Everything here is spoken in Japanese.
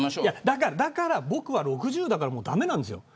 だから僕は６０だからもう駄目なんですよ。